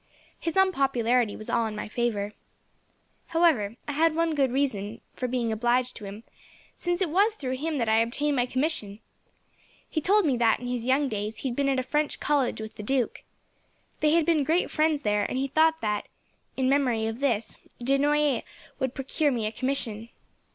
His unpopularity was all in my favour. "However, I have one good reason for being obliged to him, since it was through him that I obtained my commission. He told me that, in his young days, he had been at a French college with the duke. They had been great friends there, and he thought that, in memory of this, de Noailles would procure me a commission."